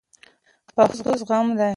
پښتو زغم دی